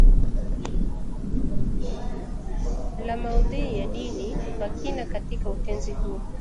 la maudhui ya dini kwa kina katika utenzi huu